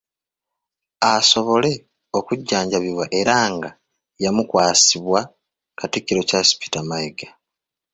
Asobole okujjanjabibwa era nga yamukwasibwa Katikkiro Charles Peter Mayiga.